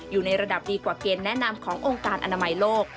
อยู่ในระดับดีกว่าเกณฑ์แนะนำขององค์การอนามัยโลก